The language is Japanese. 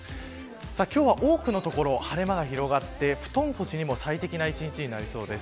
今日は多くの所で晴れ間が広がって布団干しにも最適な一日になりそうです。